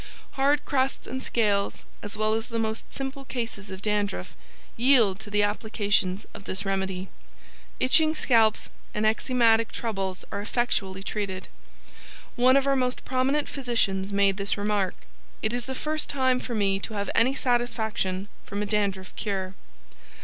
Hard crusts and scales, as well as the most simple cases of dandruff, yield to the applications of this remedy. Itching scalps and eczematic troubles are effectually treated. One of our most prominent physicians made this remark: "IT IS THE FIRST TIME FOR ME TO HAVE ANY SATISFACTION FROM A DANDRUFF CURE."